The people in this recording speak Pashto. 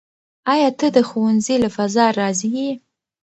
آیا ته د ښوونځي له فضا راضي یې؟